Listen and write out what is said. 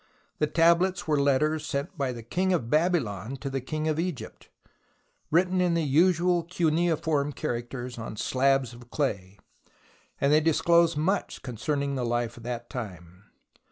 The tablets were letters sent by the King of Babylon to the King of Egypt, written in the usual cuneiform characters on slabs of clay, and they disclose much concerning the life of that time.